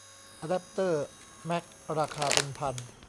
อะแดปเตอร์แมคราคาเป็นพัน